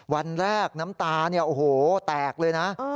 วันแรกน้ำตาเนี่ยโอ้โหแตกเลยนะ